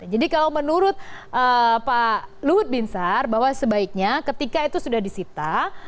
jadi kalau menurut pak luhut bin serpanjaitan bahwa sebaiknya ketika itu sudah disita